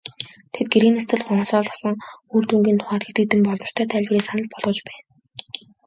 Тэд гэрээний сэтгэл гонсойлгосон үр дүнгийн тухайд хэд хэдэн боломжтой тайлбарыг санал болгож байна.